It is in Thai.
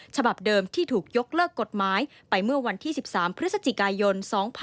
ฉบับเดิมที่ถูกยกเลิกกฎหมายไปเมื่อวันที่๑๓พฤศจิกายน๒๕๖๒